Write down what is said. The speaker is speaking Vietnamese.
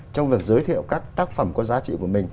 trong việc giới thiệu các tác phẩm có giá trị của mình